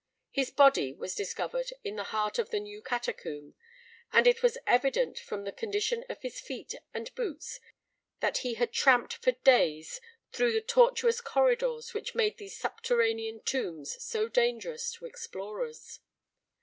His body was discovered in the heart of the new catacomb, and it was evident from the condition of his feet and boots that he had tramped for days through the tortuous corridors which make these subterranean tombs so dangerous to explorers.